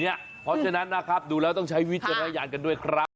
เพราะฉะนั้นนะครับดูแล้วต้องใช้วิจารณญาณกันด้วยครับ